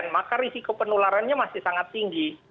maka risiko penularannya masih sangat tinggi